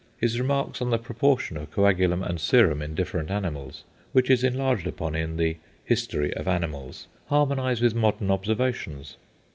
His remarks on the proportion of coagulum and serum in different animals, which is enlarged upon in the "History of Animals," harmonize with modern observations.